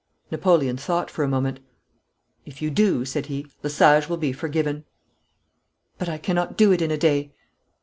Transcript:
Napoleon thought for a moment. 'If you do,' said he, 'Lesage will be forgiven!' 'But I cannot do it in a day.'